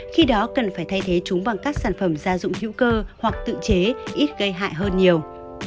khi đó cần phải thay thế chúng bằng các sản phẩm gia dụng hữu cơ hoặc tự chế ít gây hại hơn nhiều